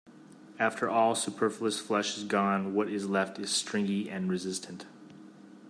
After all superfluous flesh is gone what is left is stringy and resistant.